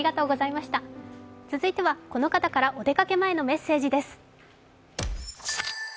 続いては、この方からお出かけ前のメッセージです。